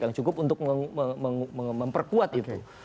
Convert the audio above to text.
yang cukup untuk memperkuat itu